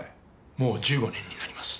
もう１５年になります。